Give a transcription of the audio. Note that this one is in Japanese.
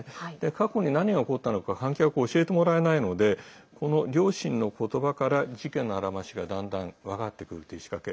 過去に何が起こったのか観客は教えてもらえないのでこの両親の言葉から事件のあらましがだんだん分かってくるという仕掛け。